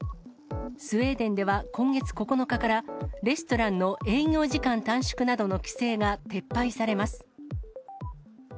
スウェーデンでは、今月９日から、レストランの事業時間短縮などの規制が撤廃されます。